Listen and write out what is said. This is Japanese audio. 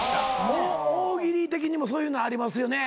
大喜利的にもそういうのありますよね。